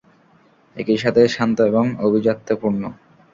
একইসাথে শান্ত এবং আভিজাত্যপূর্ণ।